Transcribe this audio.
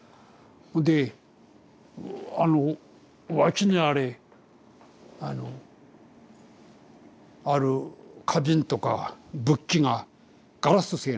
であの脇にあれあのある花瓶とか仏器がガラス製なんだよ。